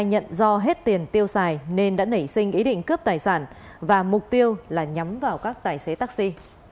anh tuấn đã nhận do hết tiền tiêu xài nên đã nảy sinh ý định cướp tài sản và mục tiêu là nhắm vào các tài xế taxi